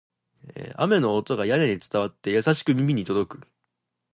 雨の音が屋根を伝って、優しく耳に届く